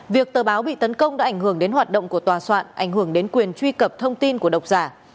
việc tờ báo bị tấn công đã ảnh hưởng đến hoạt động của tòa soạn ảnh hưởng đến quyền truy cập thông tin của độc giả